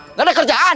nggak ada kerjaan